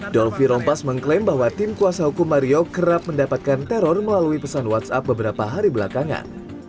dolphy rompas mengklaim bahwa tim kuasa hukum mario kerap mendapatkan teror melalui pesan whatsapp beberapa hari belakangan